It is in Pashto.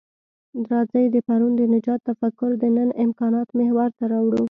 راځئ د پرون د نجات تفکر د نن امکاناتو محور ته راوړوو.